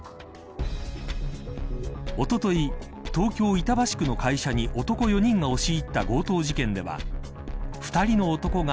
おととい、東京、板橋区の会社に男４人が押し入った強盗事件では２人の男が